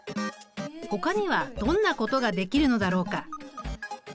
ほかにはどんなことができるのだろうか。